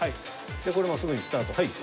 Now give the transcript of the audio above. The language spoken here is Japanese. これもすぐにスタートはい。